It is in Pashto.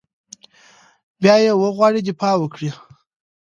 یا یې وغواړي دفاع وکړي.